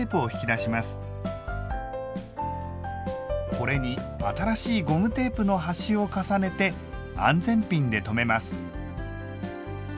これに新しいゴムテープの端を重ねて安全ピンで留めます。